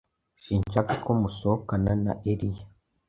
Sinshaka ko musohokana na Eliya.